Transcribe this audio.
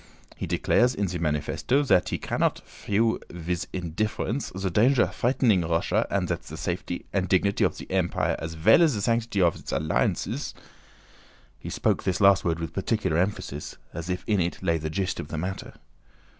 He declares in ze manifessto zat he cannot fiew wiz indifference ze danger vreatening Russia and zat ze safety and dignity of ze Empire as vell as ze sanctity of its alliances..." he spoke this last word with particular emphasis as if in it lay the gist of the matter.